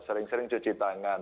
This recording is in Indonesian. sering sering cuci tangan